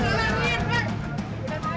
kalau kamu mau main tolongin